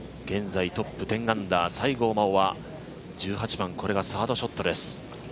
現在トップ１０アンダー、西郷真央は１８番、これがサードショットです。